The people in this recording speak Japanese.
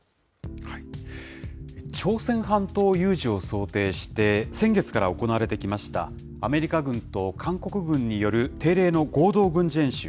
朝鮮半島有事を想定して、先月から行われてきましたアメリカ軍と韓国軍による定例の合同軍事演習。